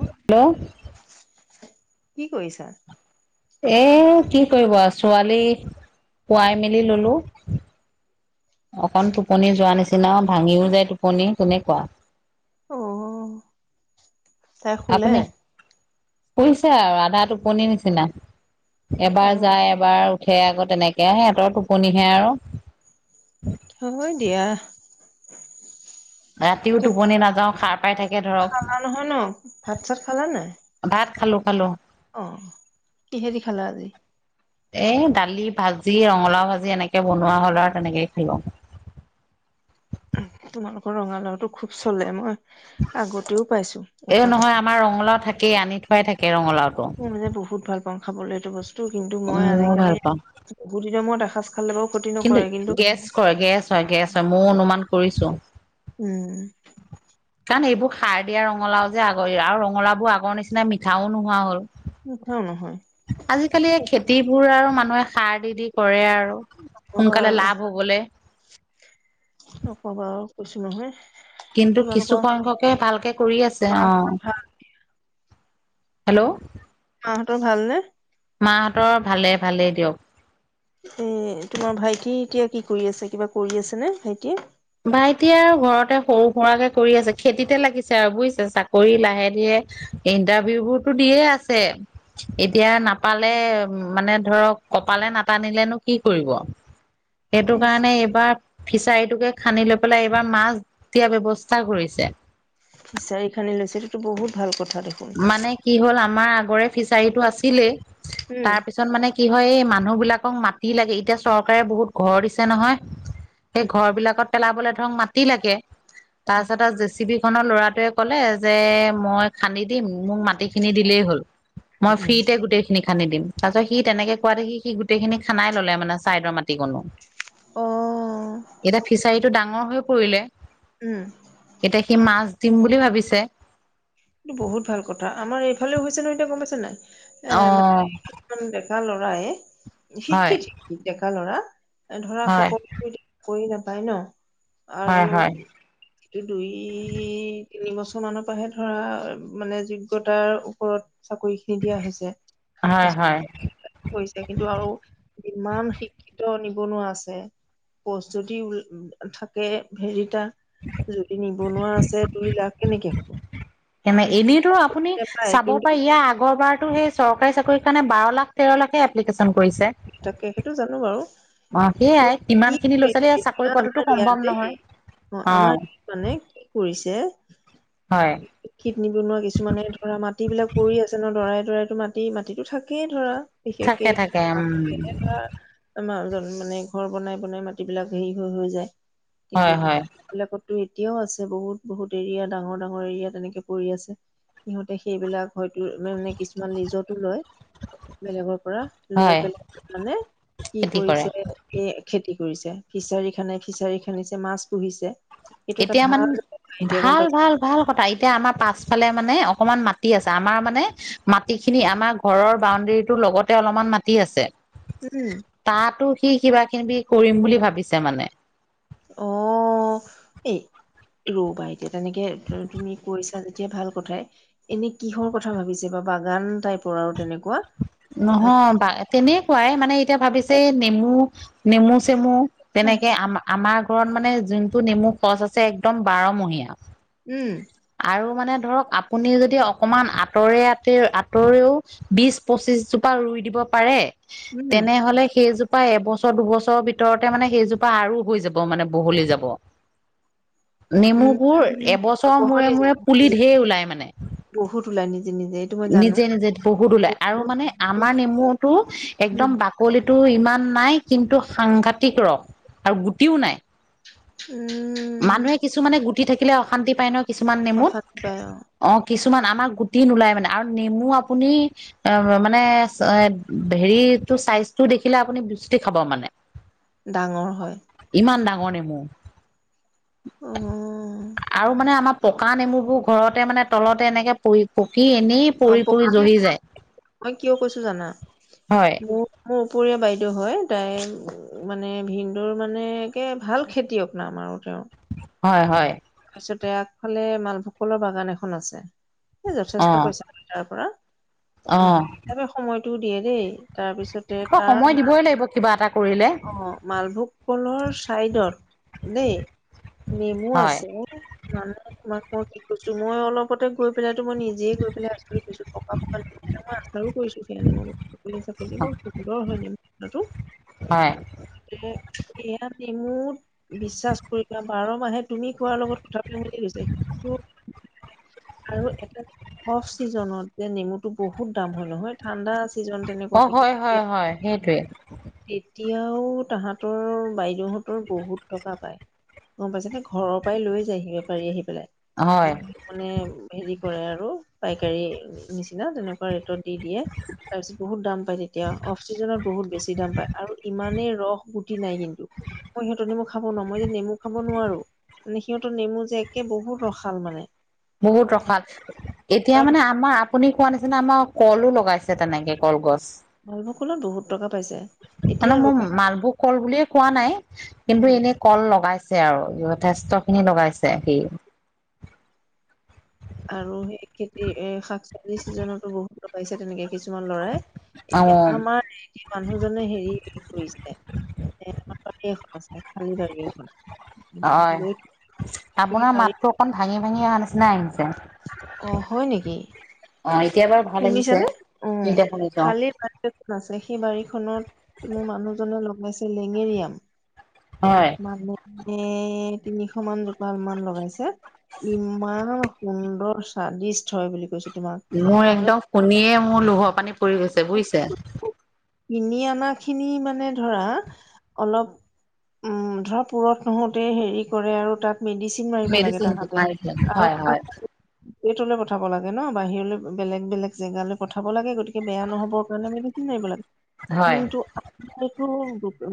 Hello. কি কৰিছা? এ কি কৰিব ছোৱালী শুৱাই মেলি ললোঁ। অকন টোপনি যোৱা নিচিনা ভাঙিও যায় টোপনি তেনেকুৱা। অ'। তাই শুলে? আপুনি শুছে আৰু আধা টোপনিৰ নিচিনা। অ এবাৰ যায়, এবাৰ উঠে, আকৌ তেনেকে সিহঁতৰ টোপনিহে আৰু। হয় দিয়া। ৰাতিও এতিয়া টোপনি নাযাওঁ সাৰ পাই থাকে ধৰক খালা নহয় ন, ভাত চাত খালা নাই? ভাত খালোঁ, খালোঁ। অ', কিহেদি খালা আজি? এ, দালি, ভাজি, ৰঙালাও ভাজি, এনেকে বনোৱা হ'ল আৰু তেনেকে খালোঁ। তোমালোকৰ ৰঙালাওটো খুব চলে ন। এ, নহয় আমাৰ ৰঙালাও থাকেই, আনি থোৱাই থাকে ৰঙালাওটো। মই মানে বহুত ভাল পাওঁ খাবলৈ এইটো বস্তু, কিন্তু মই ময়ো আজিকালি ভাল পাওঁ বহুদিনৰ মূৰত এসাজ ভাল নাপাওঁ [unintelligible] কিন্তু গেছ কৰে, গেছ হয়, গেছ হয়, মই অনুমান কৰিছোঁ। উম। কাৰণ এইবোৰ সাৰ দিয়া ৰঙালাও যে, আগৰি আৰু ৰঙালাও বোৰ আগৰ নিচিনা মিঠাও নোহোৱা হ'ল। [unintelligible] নহয়। আজিকালি খেতিবোৰ আৰু মানুহে সাৰ দি দি কৰে আৰু। হ'ব সোনকালে আৰু লাভ হবলে নকবা আৰু কৈছোঁ নহয়। কিন্তু তোমালোকৰ কিছুসংখ্যকে ভালকে কৰি আছে। মাহঁতৰ অ', ভাল হেল্ল'। মাহঁতৰ ভালনে? মাহঁতৰ ভালে, ভালেই দিয়ক। এ, তোমাৰ ভাইটি এতিয়া কি কৰি আছে? কিবা কৰি আছেনে ভাইটিয়ে? ভাইটিয়ে আৰু ঘৰতে সৰু-সুৰাকে কৰি আছে। খেতিতে লাগিছে আৰু বুজিছে, চাকৰি লাহে ধীৰে ইণ্টাৰভিউবোৰতো দিয়ে আছে। এতিয়া নাপালে, মানে ধৰক কপালে নাটানিলেনো কি কৰিব? সেইটো এছ কাৰণে, এইবাৰ ফিচাৰীটোকে খান্দি লৈ পেলাই, এইবাৰ মাছ দিয়াৰ ব্যৱস্থা কৰিছে। ফিছাৰী খান্দি লৈছে, সেইতো বহুত ভাল কথা। দেখোন। মানে কি হ'ল, আমাৰ আগৰে ফিচাৰীটো আছিলেই, উম। তাৰ পিছত পিছত মানে কি হয়, এই মানুহবিলাকক মাতি লাগে, এতিয়া চৰকাৰে বহুত ঘৰ দিছে নহয় সেই ঘৰবিলাকত পেলাবলে ধৰক মাটি লাগে, তাৰপিছত আৰু জে চি বি খনৰ ল'ৰাটোৱে ক'লে যে, মই খান্দি দিম মোক মাটিখিনি দিলেই হ'ল। মই উম ফ্ৰীিতে গোটেইখিনি খান্দি দিম। তাৰ পিছত সি তেনেকে কওঁতে সি গোটেইখিনি খন্দাই ল'লে মানে ছাইদৰ মাটিতে। অ এতিয়া ফিচাৰীটো ডাঙৰ হৈ পৰিলে। উম। এতিয়া সি মাছ দিম বুলি ভাবিছে। বহুত ভাল কথা। আমাৰ এইফালেও হৈছে নহয়, এতিয়া গম পাইছে নাই? এ মানে অ'। ডেকা লৰাই, হয় শিক্ষিত ডেকা লৰা, ধৰা হয় সকলো কৰি নাপায় ন। হয় আৰু হয় এই দুই, তিনি বছৰ মানৰ পৰাহে। ধৰা মানে যোগ্যতাৰ ওপৰত চাকৰি। নিদিয়া হৈছে। হয় হয় পৰিছে, কিন্তু আৰু কিমান শিক্ষিত নিবনুৱা আছে। প্ৰস্তুতি উল থাকে, হেৰিটা। যদি নিবনুৱা আছে, দুই লাখ কেনেকে হব? গতিকে এনেইতো সকলোৱে আপুনি নাপায় চাব কিন্তু পাৰে। ইয়াৰ আগৰবাৰতো সেই চৰকাৰী চাকৰিৰ কাৰণে বাৰ লাখ তেৰলাখে এপ্লিকেশ্যন কৰিছে। তাকে সেইটো জানো বাৰু অ, কিন্তু সেয়াই কি ইমান খিনি ল'ৰা- কৰিছে ছোৱালীয়ে এতিয়া চাকৰি পোৱাটো আমাৰ ইয়াত সম্ভৱ দেই নহয়। অ, আমাৰ সি মানে কি কৰিছে হয়। শিক্ষিত নিবনুৱা কিছুমানে ধৰা মাটি বিলাকে পৰি আছে ন, দৰাই- দৰাইতো মাটি- মাটিতো থাকেই ধৰা থাকে বিশেষকে থাকে উম আমি এনেকে ধৰা আমাৰ মানে ঘৰ বনাই- বনাই মাটিবিলাক হেৰি হৈ- হৈ যায়। কিন্তু হয় হয় এইবিলাকতো এতিয়াও আছে, বহুত- বহুত এৰিয়া ডাঙৰ- ডাঙৰ এৰিয়াত। তেনেকে পৰি আছে। সিহঁতে সেইবিলাক হয়তো মানে কিছুমান লীজতটো লয় বেলেগৰ পৰা লৈ হয় পেলাই, মানে কি খেতি কৰে কৰিছে এ খেতি কৰিছে। ফিছাৰী খানে, ফিচাৰী খানদিছে মাছ পুহিছে। এইটো এটা এতিয়া মান ভাল ব্যৱসায় এতিয়া গম ভাল- পাইছো ভাল ভাল কথা। এতিয়া আমাৰ পাছফালে মানে অকমান মাটি আছে, আমাৰ মানে মাটিখিনি আমাৰ ঘৰৰ বাউণ্ডেৰীটো লগতে অলপমান মাটি আছে। উম। তাতো সি কিবা- কিনিবি কৰিম বুলি ভাবিছে মানে। অ, এই ৰবা, এতিয়া তেনেকে তুমি কৈছা যেতিয়া ভাল কথাই। এনে কিহৰ কথা ভাবিছে, বা বাগান টাইপৰ আৰু তেনেকুৱা নহয় বা তেনেকুৱাই মানে এতিয়া ভাবিছে, নেমু- নেমু- চেমু উম তেনেকে আম, আমাৰ ঘৰত মানে, যোনটো নেমু সচ আছে, একদম বাৰমহীয়া। উম। আৰু মানে ধৰক, আপুনি যদি অকমান আঁতৰে, আঁতে আঁতৰেও বিশ, পঁচিশ জোপা ৰুই দিব পাৰে, উম তেনেহ'লে সেইজোপ পা, এবছৰ, দুবছৰৰ ভিতৰতে মানে, সেইজোপা আৰু হৈ যাব মানে, বহলি যাব। নেমুবোৰ উম, এবছৰৰ মূৰে বহল মূৰে পুলি ঢেৰ ওলাই মানে বহুত ওলাই নিজে, নিজে। মই জানো। নিজে, নিজে বহুত ওলাই, আৰু উম, মানে আমাৰ নেমুটো, উম, একদম ডাঠ কলিটো ইমান নাই, কিন্তু সাংঘাতিক ৰস, আৰু গুটিও নাই। উম। মানুহে কিছুমানে, গুটি থাকিলে অশান্তি পায় নহয়, কিছুমান নেমুত। অশান্তি পায় অ', কিছুমান, আমাৰ গুটি নোলায় মানে, আৰু নেমু আপুনি এ মানে, হেৰিটো চাইজটো দেখিলে আপুনি, বিচ্যুতি খাব মানে। [inaudible] ডাঙৰ হয়। ইমান ডাঙৰ নেমু, অ' আৰু মানে আমাৰ পকা নেমুবোৰ ঘৰতে মানে, তলতে এনেকে পৰি পকি এনেই পৰি পৰি জহি [unintelligible] যায় মই কিয় কৈছো জানা। হয়। মোৰ, মোৰ উপৰীয়া বাইদেউ হয়, তাইৰ মানে, ভিনদেউৰ মানে একে, ভাল খেতিয়ক নাম আৰু তেওঁৰ। হয়, হয়। পিছতে আগফালে, মালভুক কলৰ বাগান এখন আছে, সেই অ যথেষ্ট পইছা। তাৰপৰা, অ সেই হিচাপে সময়টোও দিয়ে দেই, তাৰপিছতে অ সময় তাৰ মাজ দিবই লাগিব, কিবা এটা কৰিলে। অ', মালভোগ কলৰ চাইডত দেই নেমু হয় আছে, মানে তোমাক মই কি কৈছো, মই অলপতে গৈ পেলাইতো মই নিজ যিয়ে গৈ পেলাই আচৰিত হৈছো, পকা, পকা নেমু। মই আচাৰো কৰিছো সেইয়া নেমু, বাকলি-ছাকলীয়ে বৰ সুন্দৰ হয় নেমু টেঙাটো। হয়। সেয়া, সেইয়া নেমুত, বিশ্বাস কৰিবা, বাৰ মাহে তুমি খোৱা লগত [unintelligible] গৈছে আৰু এটা অফ চিজনত যে নেমুটো বহুত দাম হয় নহয়, ঠাণ্ডা চিজন অ তেনেকুৱা নেকি হয় হয় হয়, সেইটোৱে। এতিয়াও তাহাঁতৰ বাইদেউহঁতৰ বহুত টকা পায়। গম পাইছে নে, ঘৰৰ পৰাই লৈ যায়হি, বেপাৰী আহি পেলাই। হয় মানে হেৰি কৰে আৰু, পাইকাৰী নিচিনা, তেনেকুৱা ৰেটত দি দিয়ে। তাৰ মপিছত বহুত দাম পায় তেতিয়া, অফ চিছনত বহুত বেছি দাম পায়। আৰু ইমানেই ৰস গুটি নাই কিন্তু, মই সিহঁতৰ নেমু খাব নোৱাৰো, মই যে নেমু খাব নোৱাৰো। মানে সিহঁতৰ নেমু যে, একে বহুত ৰসাল মানে। বহুত ৰসাল। এতিয়া মানে, আমাৰ, আপুনি কোৱা নিচিনা, আমাৰ কলো লগাইছে তেনেকে, কলগছ। মালভোগ কলত বহুত টকা পাইছে। মানে এতিয়া ৰ মই, মালভোগ কল বুলিয়ে কোৱা নাই, কিন্তু উম, এনে কল লগাইছে আৰু, যথেষ্ট খিনি লগাইছে সি। আৰু সেই খেতি এ শাক-চবজি ছিজনতো বহুত লগাইছে তেনেকে কিছুমান ল'ৰাই। অ এতিয়া আমাৰ এই এ মানুহজনে হেৰি কৰিছে [unintelligible] [unintelligible] [unintelligible] [unintelligible] অ হয়, উম লৈ চি সেই আপোনাৰ বাৰী মাতটো অকন ভাঙি ভাঙি অহাৰ নিচিনা আহিছে আহ আ। অ হয় নেকি? অ এতিয়া বাৰু ভা শুনিছানে উ উ উ উ খালি বাৰী না আছে সেই বাৰীখনত মোৰ মানুহজনে লগাইছে লেঙেৰি আম হয়। মানে এ এ এ এ এ এ এ তিনিশ মান জোপাল মান লগাইছে। ইমান সুন্দৰ স্বৱাদিষ্ট হয় বুলি কৈছো তোমাক। মোৰ তাৰমানে একদম শুনিয়ে মোৰ লোহৰ পানী পৰি গৈছে বুজিছে। কিনি অনা খিনি মানে ধৰা আ আ আ অলপ উম উ উ উ, ধৰা ফুৰত নহওতেই, হেৰি কৰে আৰু তাত মেডিচিন চিন মাৰিব লাগে মেডিচিন তাহাঁতে মাৰিছে। আ আৰু হয় টিন হয় টে টে টু এইটোলে পঠাব লাগে ন বাহিৰলৈ। বেলেগ বেলেগ জেগালৈ পঠাব লাগে গতিকে বেয়া নহবৰ কাৰণে মেডিচিন মাৰিব লাগে, হয় কিন্তু সেইটো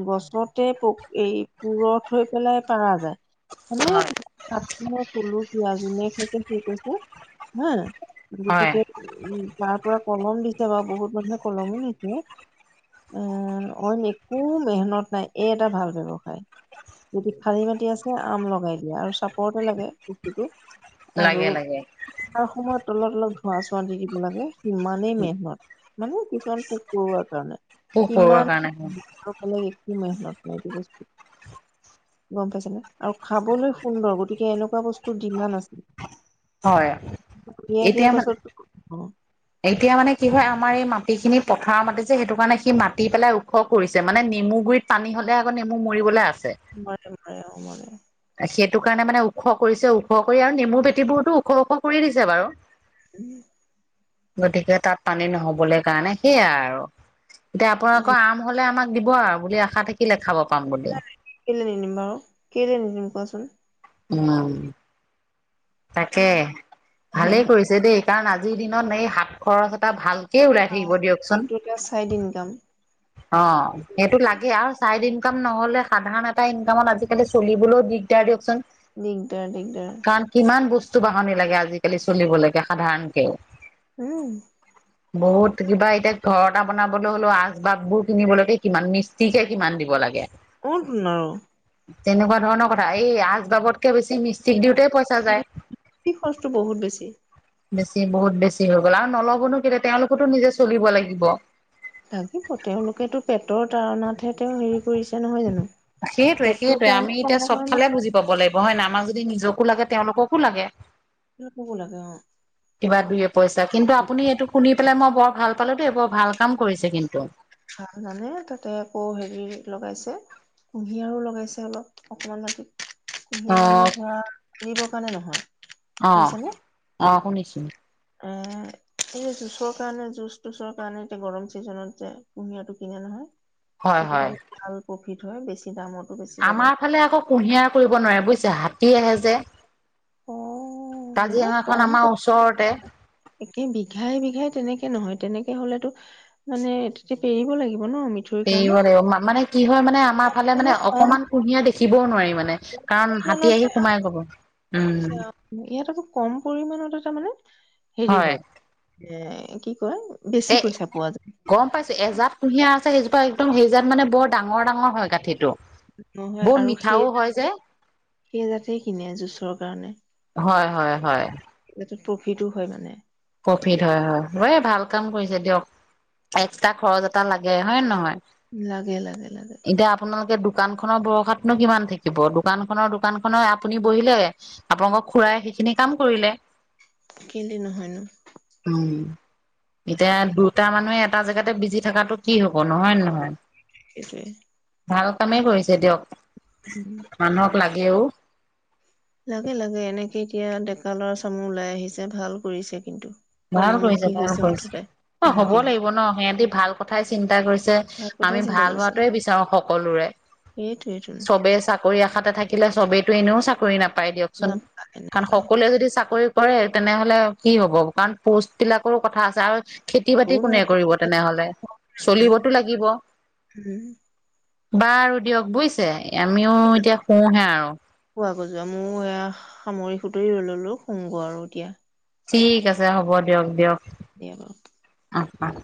গছতে ফক এই পুৰত হৈ পেলাই পাৰা যায়। মানে হয় তাক মই কলো যে আজি মেঘ হৈছে কি কৈছে হাঁ আ। হয় গতিকে উম তাৰ পৰা কলম দিছে বাৰু বহুত মানুহে কলমো নিছে। এ এ এ এ এ আ উ অইন একো মেহনত নাই এই এটা ভাল ব্যৱসায়। যদি খালি মাটি আছে আম লগাই দিয়া আৰু চাপতহে লাগে বস্তুটো। আৰু লাগে লাগে আৰু সময়ত তলত অলপ ধোঁৱা-চোৱা দি দিব লাগে। ইমানেই মেহনত মানে কিছুমান পোক-পৰুৱাৰ কাৰণে পোক পৰুৱাৰ কাৰণে ইমানেই আৰু কালি এইটোতে মেহনত লাগিব বস্তুটো। গম পাইছে নে, আৰু খাবলৈ সুন্দৰ গতিকে এনেকুৱা বস্তু ডিমাণ্ড আছিল। হয়, হু হু দিয়াৰ এতিয়া মানে পাছত অ অ। এতিয়া মানে কি হয় আমাৰ এই মাটিখিনি পথাৰৰ মাটি যে সেইটো কাৰণে সি মাটি পেলাই ওখ কৰিছে মানে নেমু গুৰিত পানী হলে আকৌ নেমু মৰিবলৈ আছে। মৰে মৰে অ মৰে। সেইটো কাৰণে মানে ওখ কৰিছে ওখ কৰি আৰু নেমুৰ পেটিবোৰতো ওখ ওখ কৰি দিছে বাৰু। উম হু। গতিকে তাত পানী নহবলৈ কাৰণে সেইয়াই আৰু দে উম, আপোনালোকৰ আম হলে আমাক দিব আৰু বুলি আশা থাকিলে খাব পাম বুলি। কেলে নিদিম বাৰু কেলে নিদিম কোৱাচোন। উমা উম। তাকে ভালেই কৰিছে দেই কাৰণ আজিৰ দিনত এই হাত খৰচ এটা ভাল সে ওলাই বা থাকিব দিয়কচোন, এইটো এটা চাইড ইনকাম অ অ অ। সেইটো লাগে আৰু চাইড ইনকাম নহলে সাধাৰণ এটা ইনকামত আজিকালি চলিবলৈও দিগদাৰ দিয়কচোন। দিগদাৰ দিগদাৰ। কাৰণ কিমান বস্তু-বাহনি লাগে আজিকালি চলিব লকে সাধাৰণকেও। উম উ উ। [unintelligible] বহুত কিবা এতিয়া ঘৰ এটা বনাবলৈ হ'লেও আচবাববোৰ কিনিবলৈকে কিমান মিস্ত্ৰীকে কিমান দিব লাগে। উন উন্নয়। তেনেকুৱা ধৰণৰ কথা এই আচবাবতকে বেছি মিষ্ট্ৰিক দেউটাকে পইছা খৰচটো বহুত বেছি। বেছি বহুত বেছি হৈ গ'ল আৰু নলবনো কেলে তেওঁলোকতো নিজে চলিব লাগিব। লাগিব তেওঁলোকেতো পেটৰ তাৰনাতহে তেওঁ হেৰি ফুৰিছে নহয় জানো সেইটোৱে পেটটোৰ সেইটোৱে আমি কাৰণে এতিয়া কণ চবফালে বুজি [unintelligible] পাব লাগিব হয় না আমাক যদি নিজকো লাগে তেওঁলোককো লাগে। [unintelligible] লাগে অ'। [inaudible] কিবা দুই পইচা কিন্তু আপুনি এইটো শুনি পেলাই মই বৰ ভাল পালোঁ দেই বৰ ভাল কাম কৰিছে কিন্তু। ভাল জানে তাতে আকৌ হেৰি লগাইছে। কুঁহিয়াৰো লগাইছে অলপ অকমান ৰাতি। অ সেহে মানে ধৰাৰি কাৰণে নহয়। অ', বুজিছানে অ', শুনিছো। এ এই জুচৰ কাৰণে জুচ তুচৰ কাৰণে এতিয়া গৰম চিজনত যে। কুঁহিয়াৰটো কিনে নহয় হয় হয় সেইটোত অলপ ভাল প্ৰফিট হয় বেছি দামত। আমাৰ ফালে আকৌ কুঁহিয়াৰ কৰিব নোৱাৰে বুজিছে হাতী আহে যে। নহ কাজিৰঙাখন কম আমাৰ পইচা ওচৰতে একে বিঘাই বিঘাই তেনেকে নহয় তেনেকে হ'লেটো মানে তেতিয়া পেৰিব লাগিব ন মিত এৰিব লাগিব মানে কি হয় মানে আমাৰ ফালে মানে অকমান কুঁহিয়ে দেখিবও নোৱাৰি মানে। কাৰণ হাতী আহি সোমাই গব, উম। ইয়াটোতো খুব কম পৰিমানেটো এটা মানে হেৰি হয় হয় এ কি কয় এ বেছি পইচা পোৱা যায়। গম পাইছো এজাত কুঁহিয়াৰ আছে সেইজোপা একদম সেইজাত মানে বৰ ডাঙৰ ডাঙৰ হয় গাঁঠিটো। নহয় বহুত আৰু মিঠাও সেই হয় যে। জাতে সেই যাতে কিনে জুচৰ কাৰণে। হয়, হয়, হয়। এইটো প্ৰফিটো হয় মানে। প্ৰফিটো সেইটোৱে হয় হয় ভাল কাম কৰিছে দিয়ক। এক্সট্ৰা খৰচ এটা লাগে হয় নে নহয়। লাগে, লাগে, লাগে। এতিয়া আপোনালোকে দোকানখনৰ ভৰষাতনো কিমান থাকিব দোকানখনৰ দোকানখনৰ আপুনি বহিলে আপোনালোকক খুৰাই সেইখিনি কাম কৰিলে। কেলে নহয়নো? উম। এতিয়া দুটা মানুহে এটা জেগাতে বিজি থকাটো কি হ'ব নহয় নে নহয়। সেইটোৱে। ভাল কামেই কৰিছে দিয়ক। উম। মানুহক লাগেও। লাগে, লাগে, এনেকে এতিয়া ডেকা ল'ৰা চাম ও ওলাই আহিছে ভাল কৰিছে কিন্তু। ভাল কৰিছে, কৰ্মমুখী ভাল হৈছে কৰিছে, মুঠতে অ', হ'ব মানুহখিনি লাগিব ন সিহঁতি ভাল কথাই চিন্তা কৰিছে। ভাল কথাই আমি ভাল হোৱাটোৱে বিচাৰো সকলোৰে। সেইটোৱেটো। চবেই চাকৰি আশাতে থাকিলে চবেইটো এনেও চাকৰি নাপায় দিয়কচোন, নাপায় কাৰণ নাপায় সকলোৱে যদি চাকৰি কৰে তেনেহলে কি হ'ব কাৰণ পোষ্ট বিলাকৰো কথা আছে আৰু খেতি বাতি মোৰো কোনে কৰিব তেনেহলে, নাই চলিবতো লাগিব। বাৰ দিয়ক বুইছে, আমিও এতিয়া শুওঁহে আৰু। শুৱাগৈ যোৱা মই এয়া সামৰি সুতৰি ললো শুংগৈ আৰু এতিয়া। ঠিক আছে, হ'ব দিয়ক দিয়ক। দিয়া বাৰু। অহ অহ।